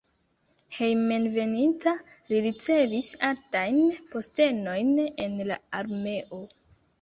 Hejmenveninta li ricevis altajn postenojn en la armeo.